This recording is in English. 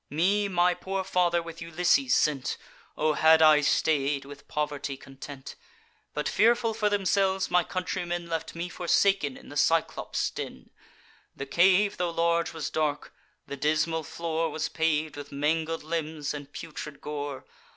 Me my poor father with Ulysses sent; (O had I stay'd, with poverty content!) But, fearful for themselves, my countrymen Left me forsaken in the Cyclops' den. The cave, tho' large, was dark; the dismal floor Was pav'd with mangled limbs and putrid gore.